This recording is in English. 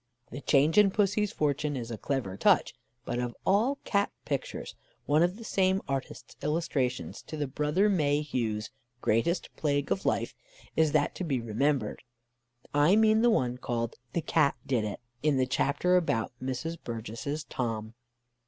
The change in Pussy's fortune is a clever touch; but of all Cat pictures, one of the same artist's illustrations to the Brothers Mayhew's Greatest Plague of Life is that to be remembered; I mean the one called "The Cat did it," in the chapter about Mrs. Burgess's Tom.